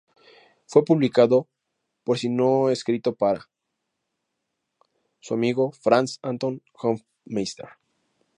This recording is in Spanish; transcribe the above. Fue publicado por -si no escrito para- su amigo Franz Anton Hoffmeister.